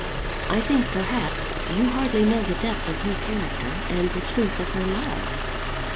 I think, perhaps, you hardly know the depth of her character and the strength of her love."